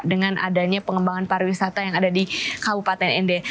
dengan adanya pengembangan pariwisata yang ada di kabupaten nd